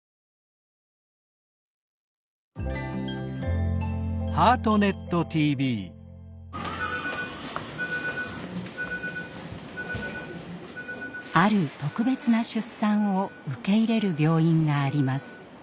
ある「特別な出産」を受け入れる病院があります。